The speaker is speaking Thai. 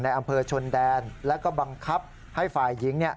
อำเภอชนแดนแล้วก็บังคับให้ฝ่ายหญิง